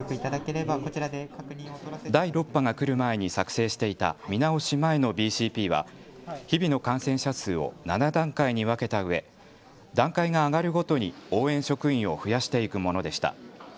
第６波が来る前に作成していた見直し前のＢＣＰは日々の感染者数を７段階に分けたうえ段階が上がるごとに応援職員を増やしていくものでした。